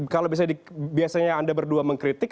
kalau biasanya anda berdua mengkritik